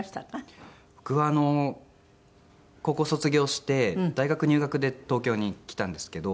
僕高校卒業して大学入学で東京に来たんですけど。